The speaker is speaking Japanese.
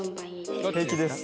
平気です。